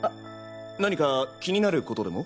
何か気になることでも？